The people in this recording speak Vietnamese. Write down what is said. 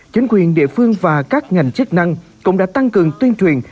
chính quyền địa phương và các ngành chức năng cũng đã tăng cường tuyên truyền